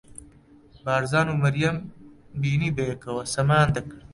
بارزان و مەریەمم بینی بەیەکەوە سەمایان دەکرد.